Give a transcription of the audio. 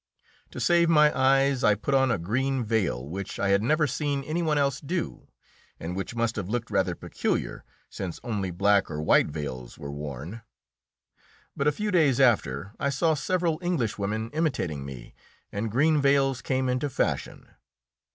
To save my eyes, I put on a green veil, which I had never seen any one else do, and which must have looked rather peculiar, since only black or white veils were worn. But a few days after I saw several English women imitating me, and green veils came into fashion.